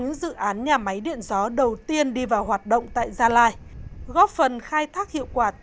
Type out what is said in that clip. những dự án nhà máy điện gió đầu tiên đi vào hoạt động tại gia lai góp phần khai thác hiệu quả